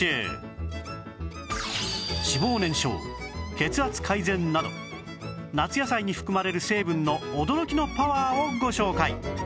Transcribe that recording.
脂肪燃焼血圧改善など夏野菜に含まれる成分の驚きのパワーをご紹介